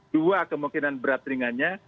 dua kemungkinan berat ringannya